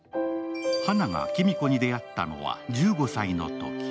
花が黄美子に出会ったのは１５歳のとき。